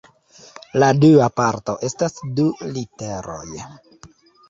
La dua parto estas du literoj.